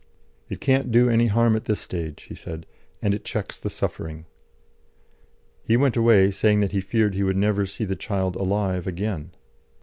"It can't do any harm at this stage," he said, "and it checks the suffering." He went away, saying that he feared he would never see the child alive again.